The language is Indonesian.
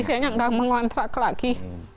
istilahnya nggak mengontrak lagi